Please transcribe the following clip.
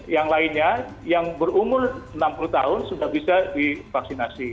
selainnya yang berumur enam puluh tahun sudah bisa divaksinasi